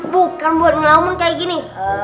bukan buat ngelawan kayak gini